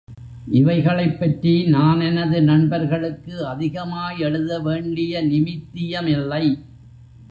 இவைகளைப்பற்றி நான் எனது நண்பர்களுக்கு அதிகமாய் எழுத வேண்டிய நிமித்தியமில்லை.